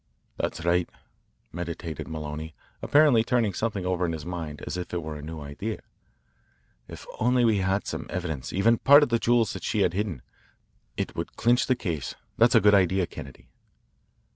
"That's right," meditated Maloney, apparently turning something over in his mind as if it were a new idea. "If we only had some evidence, even part of the jewels that she had hidden, it would clinch the case. That's a good idea, Kennedy."